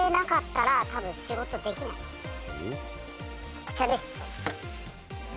こちらです。